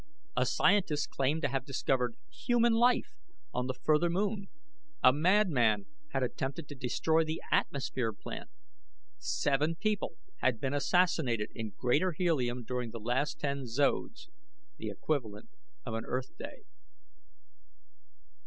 A scientist claimed to have discovered human life on the further moon. A madman had attempted to destroy the atmosphere plant. Seven people had been assassinated in Greater Helium during the last ten zodes, (the equivalent of an Earth day).